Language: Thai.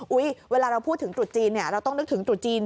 อุ้ยเวลาเราพูดถึงตุดจีนเนี้ยเราต้องนึกถึงตุดจีน